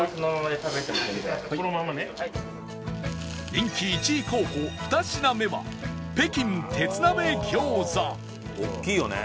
人気１位候補２品目は北京鉄鍋餃子大きいよね。